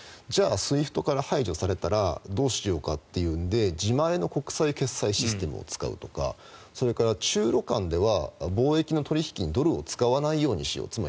じゃあＳＷＩＦＴから排除されたらどうしようかというので自前の国際決済システムを使うとかそれから中ロ間では貿易の取引にドルを使わないようにしよう